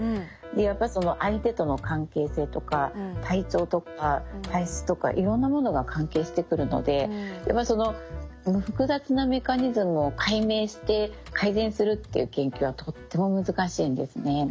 やっぱその相手との関係性とか体調とか体質とかいろんなものが関係してくるのでやっぱその複雑なメカニズムを解明して改善するっていう研究はとっても難しいんですね。